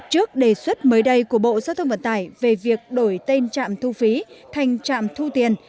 trước đề xuất mới đây của bộ giao thông vận tải về việc đổi tên trạm thu phí thành trạm thu tiền